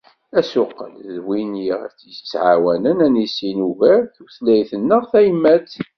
Asuqel d win i ɣ-yettεawanen ad nissin ugar tutlayt-nneɣ tayemmat.